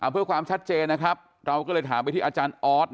เพื่อความชัดเจนนะครับเราก็เลยถามไปที่อาจารย์ออส